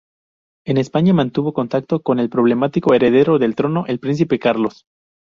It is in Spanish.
En España, mantuvo contacto con el problemático heredero del trono, el príncipe Carlos.